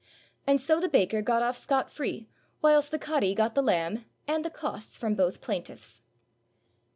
And so the baker got off scot free, whilst the cadi got the lamb and the costs from both plaintiffs.